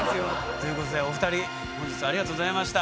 ということでお二人本日はありがとうございました。